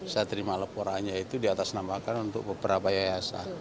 saya terima laporannya itu diatasnamakan untuk beberapa yayasan